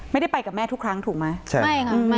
ไม่ได้ไปกับแม่ทุกครั้งถูกไหม